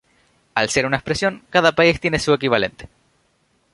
Al ser una expresión, cada país tiene su equivalente.